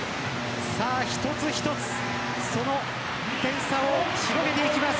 一つ一つその点差を広げていきます。